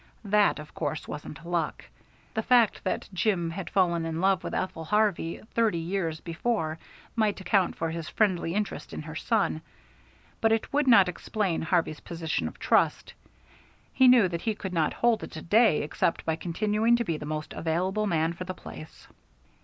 That of course wasn't luck. The fact that Jim had fallen in love with Ethel Harvey thirty years before might account for his friendly interest in her son, but it would not explain Harvey's position of trust. He knew that he could not hold it a day except by continuing to be the most available man for the place.